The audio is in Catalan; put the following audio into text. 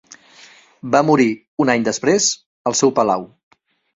Va morir un any després al seu palau.